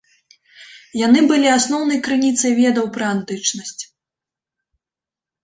Яны былі асноўнай крыніцай ведаў пра антычнасць.